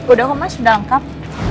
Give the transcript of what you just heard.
udah homas udah angkap